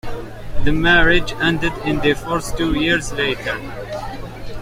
The marriage ended in divorce two years later.